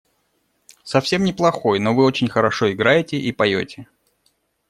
Совсем не плохой, но вы очень хорошо играете и поете.